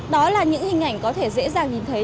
đó là những hình ảnh có thể dễ dàng nhìn thấy